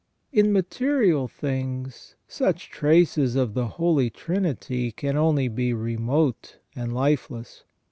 In material things such traces of the Holy Trinity can only be remote and lifeless.